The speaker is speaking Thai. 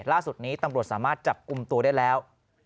ล่าสุดนี้ตำรวจสามารถจับกลุ่มตัวได้แล้ว